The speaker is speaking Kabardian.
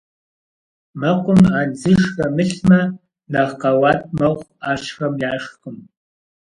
Мэкъум андзыш хэмылъмэ нэхъ къэуат мэхъу, ӏэщхэм яшхкъым.